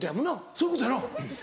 そういうことやな。